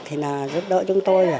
thì là giúp đỡ chúng tôi